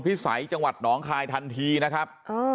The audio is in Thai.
สัยจังหวัดหนองคายทันทีนะครับ